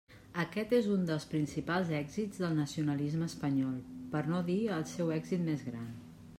Aquest és un dels principals èxits del nacionalisme espanyol, per no dir el seu èxit més gran.